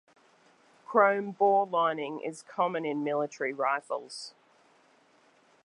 Chrome bore lining is common in military rifles.